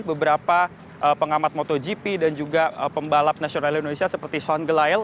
beberapa pengamat motogp dan juga pembalap nasional indonesia seperti sound glile